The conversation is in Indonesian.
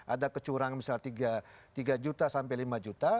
ada kecurangan misalnya tiga juta sampai lima juta